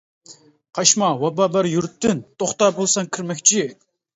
قاچما ۋابا بار يۇرتتىن، توختا بولساڭ كىرمەكچى.